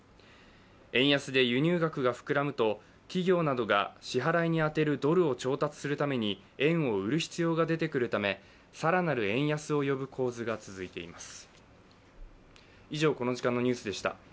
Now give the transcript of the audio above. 円安で輸入額が膨らむと企業などが支払いに充てるドルを調達するために円を売る必要が出てくるため更なる円安を呼ぶ構図が続いています。